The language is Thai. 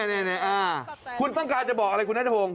นี่คุณต้องการจะบอกอะไรคุณนัทพงศ